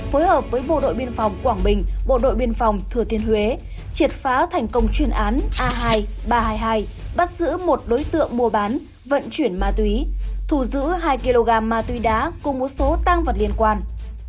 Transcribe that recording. phối hợp với bộ đội biên phòng quảng bình bộ đội biên phòng thừa thiên huế triệt phá thành công chuyên án a hai ba trăm hai mươi hai bắt giữ một đối tượng mua bán vận chuyển ma túy thù giữ hai kg ma túy đá cùng một số tăng vật liên quan